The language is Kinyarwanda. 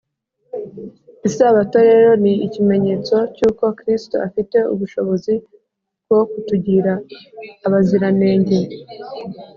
isabato rero ni ikimenyetso cy’uko kristo afite ubushobozi bwo kutugira abaziranenge